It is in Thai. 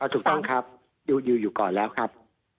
ถูกต้องครับอยู่ก่อนแล้วครับ